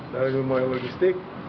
dari rumah logistik